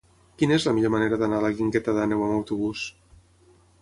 Quina és la millor manera d'anar a la Guingueta d'Àneu amb autobús?